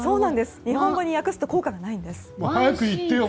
日本語に訳すと効果がないんです。